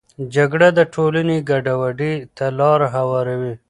جګړه د ټولنې ګډوډي ته لاره هواروي.